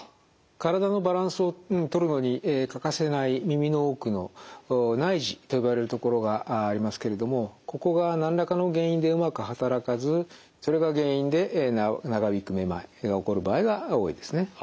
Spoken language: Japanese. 体のバランスをとるのに欠かせない耳の奥の内耳と呼ばれるところがありますけれどもここが何らかの原因でうまく働かずそれが原因で長引くめまいが起こる場合が多いですね。